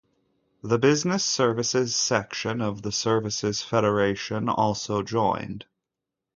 The Business Services section of the Services Federation also joined.